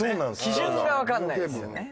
基準がわかんないですよね。